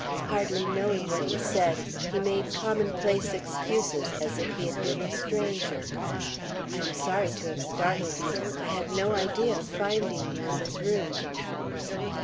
Hardly knowing what he said, he made commonplace excuses, as if he had been a stranger: "I am sorry to have startled you; I had no idea of finding you in this room."